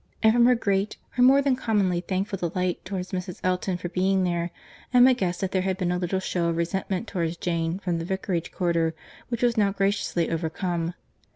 —And from her great, her more than commonly thankful delight towards Mrs. Elton for being there, Emma guessed that there had been a little show of resentment towards Jane, from the vicarage quarter, which was now graciously overcome.